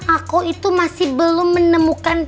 aku itu masih belum menemukan